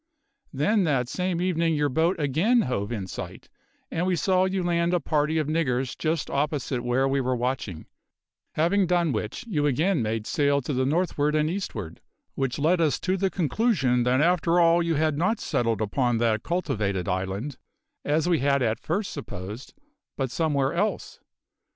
Then that same evening your boat again hove in sight, and we saw you land a party of niggers just opposite where we were watching; having done which you again made sail to the northward and eastward; which led us to the conclusion that after all you had not settled upon that cultivated island as we had at first supposed but somewhere else.